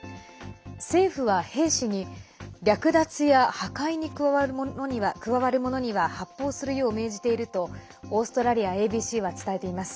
政府は兵士に略奪や破壊に加わる者には発砲するよう命じているとオーストリアＡＢＣは伝えています。